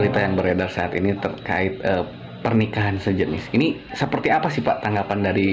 terima kasih atas dukungan anda